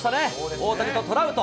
大谷とトラウト。